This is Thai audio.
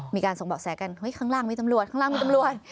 มีการส่งเบาะแสกันเฮ้ยข้างล่างมีตำรวจข้างล่างมีตำรวจ